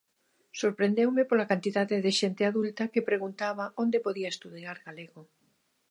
Sorprendeume pola cantidade de xente adulta que preguntaba onde podía estudar galego.